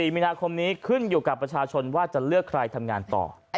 มีนาคมนี้ขึ้นอยู่กับประชาชนว่าจะเลือกใครทำงานต่อ